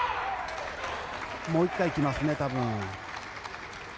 もう１回来ますね、多分。